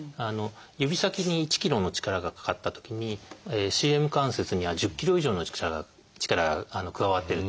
指先に１ｋｇの力がかかったときにＣＭ関節には１０ｋｇ以上の力が加わってるっていわれてます。